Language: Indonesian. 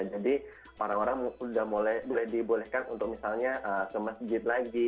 jadi orang orang sudah boleh dibolehkan untuk misalnya ke masjid lagi